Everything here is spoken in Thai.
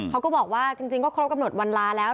เขาก็บอกว่าจริงก็ครบกำหนดวันลาแล้ว